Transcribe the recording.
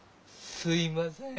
すいません